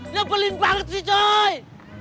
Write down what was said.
ngepelin banget sih cuy